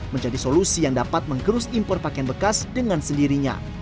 menjadi solusi yang dapat menggerus impor pakaian bekas dengan sendirinya